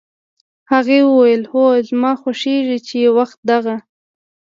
هغې وویل: "هو، زما خوښېږي چې یو وخت دغه